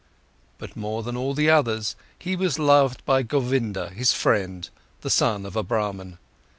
But more than all the others he was loved by Govinda, his friend, the son of a Brahman.